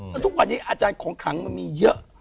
แล้วทุกวันนี้อาจารย์ของขลังมันมีเยอะ